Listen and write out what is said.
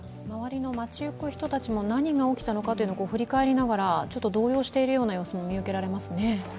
周りの街ゆく人たちも何が起きたのかと振り返りながら動揺しているような様子も見受けられますね。